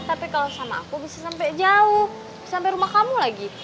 tapi kalau sama aku bisa sampe jauh bisa sampe rumah kamu lagi